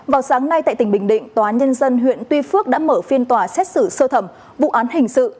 vào sáng nay tại tỉnh bình định tòa nhân dân huyện tuy phước đã mở phiên tòa xét xử sơ thẩm vụ án hình sự